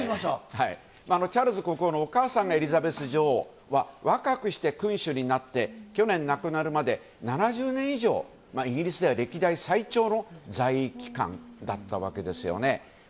チャールズ国王のお母さんがエリザベス女王は若くして君主になって去年亡くなるまで７０年以上イギリスでは歴代最長の在位期間だったわけですよね。